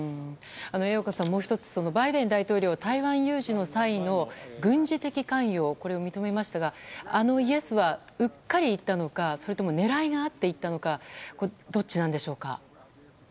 矢岡さん、もう１つバイデン大統領は台湾有事の際の軍事的関与を認めましたがあのイエスはうっかり言ったのか狙いがあって言ったのかどっちなんでしょうか？